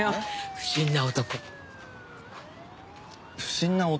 不審な男？